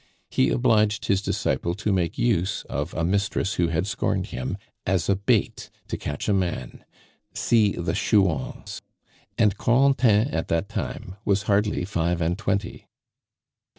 He obliged his disciple to make use of a mistress who had scorned him as a bait to catch a man (see The Chouans). And Corentin at that time was hardly five and twenty.